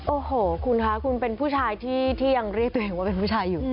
โอ้โหคุณคะคุณเป็นผู้ชายที่ยังเรียกตัวเองว่าเป็นผู้ชายอยู่